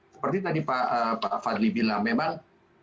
seperti tadi pak fadli bilang memang